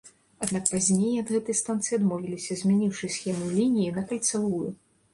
Аднак пазней ад гэтай станцыі адмовіліся, змяніўшы схему лініі на кальцавую.